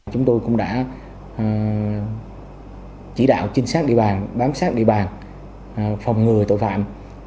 chúng tôi đã bám sát địa bàn phòng ngừa tội phạm